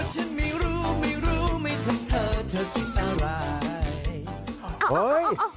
เฮ้ย